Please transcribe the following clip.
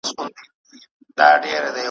شېبه وروسته په توند باد کي ورکېده دي ,